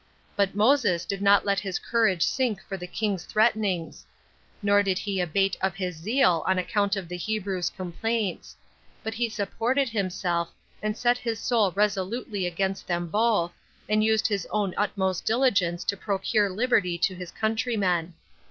But Moses did not let his courage sink for the king's threatenings; nor did he abate of his zeal on account of the Hebrews' complaints; but he supported himself, and set his soul resolutely against them both, and used his own utmost diligence to procure liberty to his countrymen.